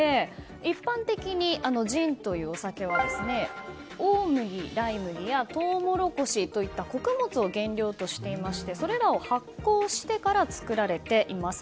一般的にジンというお酒は大麦、ライ麦やトウモロコシといった穀物を原料としていましてそれらを発酵してから作られています。